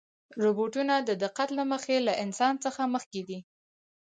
روبوټونه د دقت له مخې له انسان څخه مخکې دي.